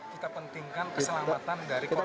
kita pentingkan keselamatan dari korban